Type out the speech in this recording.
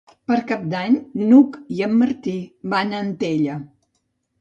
Per Cap d'Any n'Hug i en Martí van a Antella.